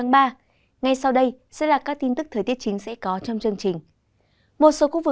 các bạn hãy đăng ký kênh để ủng hộ kênh của chúng mình nhé